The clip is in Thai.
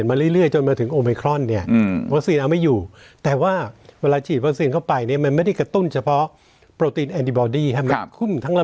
อย่างตอนนี้คนไทยที่ติดโควิก๑๙เนี่ยแฮะ